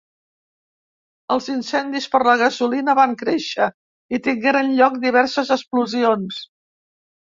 Els incendis per la gasolina van créixer, i tingueren lloc diverses explosions.